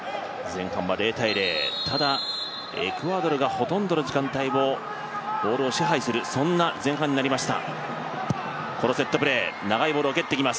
前半０−０、ただ、エクアドルがほとんどの時間帯をボールを支配するそんな前半になりました。